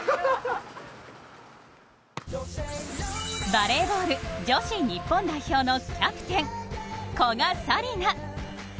バレーボール女子日本代表のキャプテン・古賀紗理那。